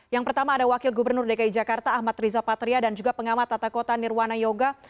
yang pertama ada wakil gubernur dki jakarta ahmad riza patria dan juga pengamat tata kota nirwana yoga